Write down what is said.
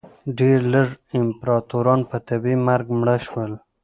ډېر لږ امپراتوران په طبیعي مرګ مړه شول